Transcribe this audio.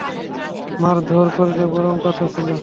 মারধোর করিলে বরং কথা ছিল।